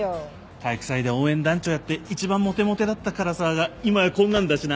体育祭で応援団長やって一番モテモテだった唐沢が今はこんなんだしな。